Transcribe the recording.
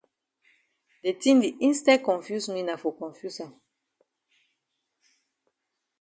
De tin di instead confuse me na for confuse am.